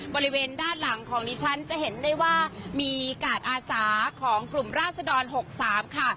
บริเวณด้านหลังของดิฉันจะเห็นได้ว่ามีกาดอาสาของกลุ่มราศดร๖๓ค่ะ